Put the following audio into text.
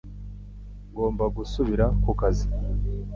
Ngomba gusubira ku kazi